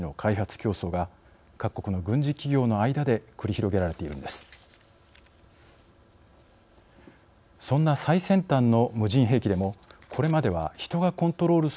競争が各国の軍事企業の間で繰り広げられているのです。